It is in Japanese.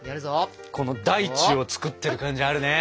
この大地を作ってる感じあるね！